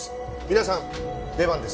皆さん出番です。